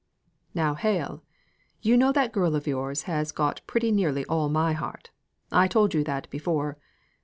"Now, Hale; you know that girl of yours has got pretty nearly all my heart. I told you that before.